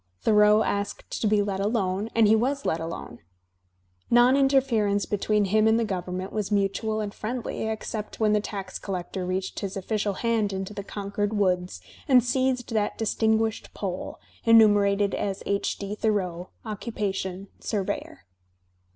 Thoreau asked to be let alone, and he was let alone. Non interference between liiTTi and the government was mutual and friendly, except when the tax collector reached his official hand into the Con cord woods and seized that distinguished poll, enumerated as H. D. Thoreau, occupation, surveyor.